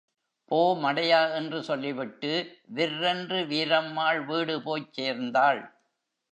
போ, மடையா என்று சொல்லிவிட்டு விர்ரென்று வீரம்மாள் வீடு போய்ச் சேர்ந்தாள்.